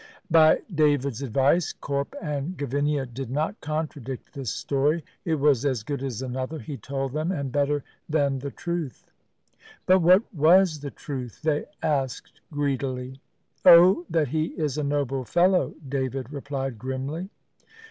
By David's advice, Corp and Gavinia did not contradict this story. It was as good as another, he told them, and better than the truth. But what was the truth? they asked greedily. "Oh, that he is a noble fellow," David replied grimly.